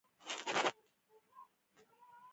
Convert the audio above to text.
یو څو کوڅې یې داسې دي چې موټر په سختۍ په کې تېرېږي.